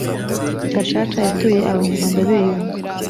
gacaca yatuye abanyarwanda biyunga